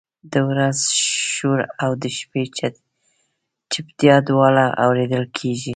د ورځې شور او د شپې چپتیا دواړه اورېدل کېږي.